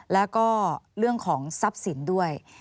แล้วก็เรื่องของทรัพย์สินด้วย